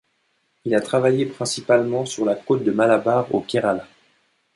Il a travaillé principalement sur la côte de Malabar, au Kérala.